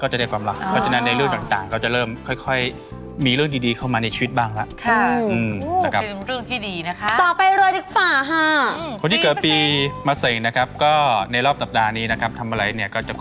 หลายเรื่องเข้ามาในสมองเนี่ยถ้าเราลองนิ่ง